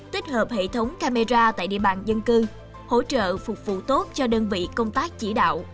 tích hợp hệ thống camera tại địa bàn dân cư hỗ trợ phục vụ tốt cho đơn vị công tác chỉ đạo